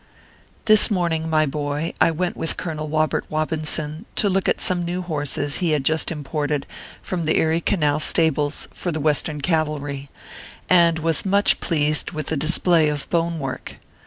This morning, my boy, I went with Colonel Wobert Wobinson to look at some new horses he had just imported from the Erie Canal stables for the Western cavalry, and was much pleased with the display of bone work.